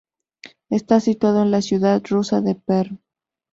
Está situado en la ciudad rusa de Perm.